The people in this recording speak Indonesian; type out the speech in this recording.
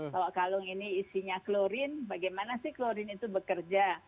kalau kalung ini isinya klorin bagaimana sih klorin itu bekerja